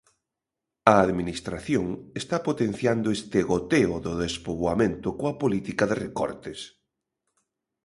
A Administración está potenciando este goteo do despoboamento coa política de recortes.